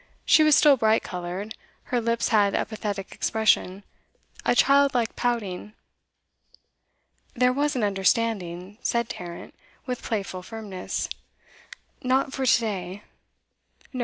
She was still bright coloured; her lips had a pathetic expression, a child like pouting. 'There was an understanding,' said Tarrant, with playful firmness. 'Not for to day.' 'No.